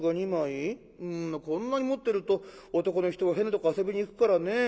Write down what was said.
こんなに持ってると男の人は変なとこ遊びに行くからねえ。